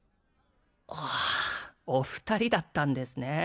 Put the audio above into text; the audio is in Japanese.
はあお二人だったんですね